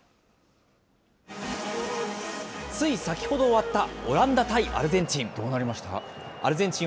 つい先ほど終わったオランダ対アルゼンチン。